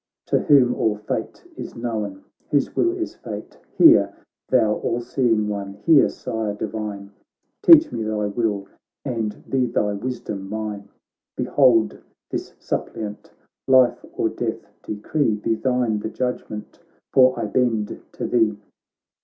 To whom all fate is known, whose will is fate ; Hear, thou all seeing one, hear. Sire divine, Teach me thy will, and be thy wisdom mine! Behold this suppliant ! life or death de cree ; Be thine the judgement, for I bend to thee.'